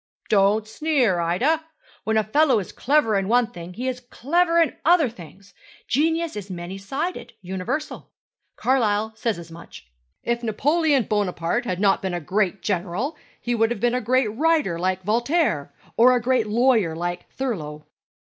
'Don't sneer, Ida. When a fellow is clever in one thing he is clever in other things. Genius is many sided, universal. Carlyle says as much. If Napoleon Bonaparte had not been a great general, he would have been a great writer like Voltaire or a great lawyer like Thurlow.'